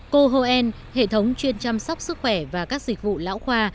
cohoen hệ thống chuyên chăm sóc sức khỏe và các dịch vụ lão khoa